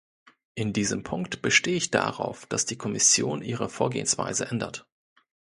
In diesem Punkt bestehe ich darauf, dass die Kommission ihre Vorgehensweise ändert.